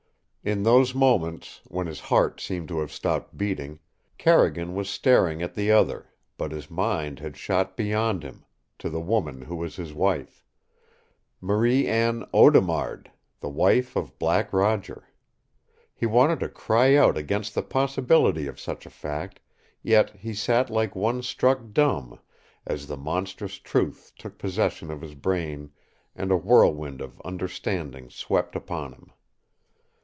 In those moments, when his heart seemed to have stopped beating, Carrigan was staring at the other, but his mind had shot beyond him to the woman who was his wife. Marie Anne AUDEMARD the wife of Black Roger! He wanted to cry out against the possibility of such a fact, yet he sat like one struck dumb, as the monstrous truth took possession of his brain and a whirlwind of understanding swept upon him.